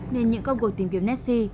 nên những công cuộc tìm kiếm nessie